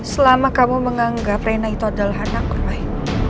selama kamu menganggap rena itu adalah anak bermain